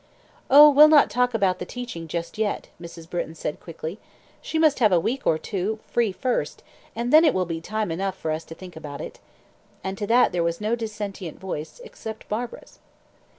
"Oh, we'll not talk about the teaching just yet," Mrs. Britton said quickly. "She must have a week or two free first, and then it will be time enough for us to think about it;" and to that there was no dissentient voice except Barbara's.